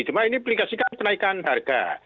cuma ini aplikasi kan menaikkan harga